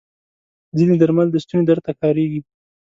ځینې درمل د ستوني درد ته کارېږي.